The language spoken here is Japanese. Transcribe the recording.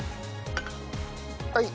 はい。